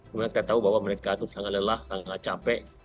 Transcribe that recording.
kemudian kita tahu bahwa mereka itu sangat lelah sangat capek